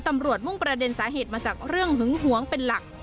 มุ่งประเด็นสาเหตุมาจากเรื่องหึงหวงเป็นหลัก